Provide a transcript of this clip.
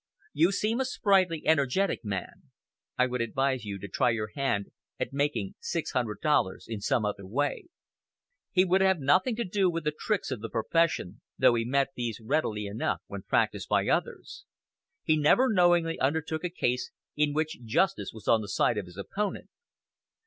You seem a sprightly, energetic man. I would advise you to try your hand at making six hundred dollars in some other way." He would have nothing to do with the "tricks" of the profession, though he met these readily enough when practised by others. He never knowingly undertook a case in which justice was on the side of his opponent.